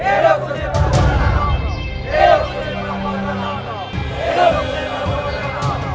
hidupnya para penduduk